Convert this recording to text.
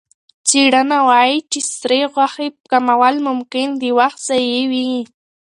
څېړنه وايي چې د سرې غوښې کمول ممکن د وخت ضایع وي.